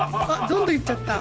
どんどん行っちゃった。